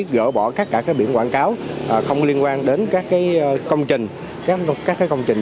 gỡ bỏ các biện quảng cáo không liên quan đến các công trình